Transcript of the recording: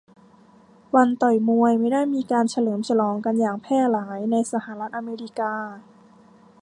วันต่อยมวยไม่ได้มีการเฉลิมฉลองกันอย่างแพร่หลายในสหรัฐอเมริกา